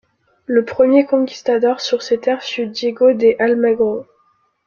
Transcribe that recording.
Le premier conquistador sur ces terres fut Diego de Almagro.